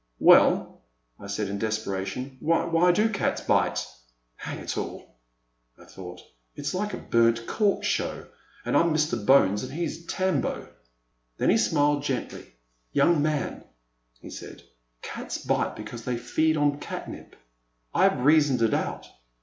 Well," I said in desperation, why do cats bite ?— hang it all !" I thought, it 's Uke a burnt cork show, and I 'm Mr. Bones and he 's Tambo!" Then he smiled gently. "Young man," he said, *' cats bite because they feed on cat nip. I have reasoned it out."